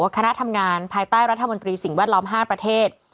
คณะทำงานภายใต้รัฐมนตรีสิ่งแวดล้อม๕ประเทศ